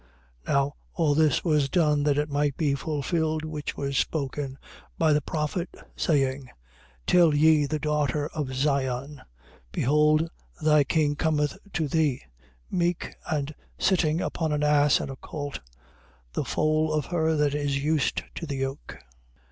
21:4. Now all this was done that it might be fulfilled which was spoken by the prophet, saying: 21:5. Tell ye the daughter of Sion: Behold thy king cometh to thee, meek and sitting upon an ass and a colt, the foal of her that is used to the yoke.